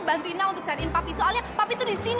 bantuin nak untuk selengin papi soalnya papi tuh di sini